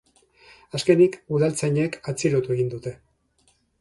Azkenik, udaltzainek atxilotu egin dute.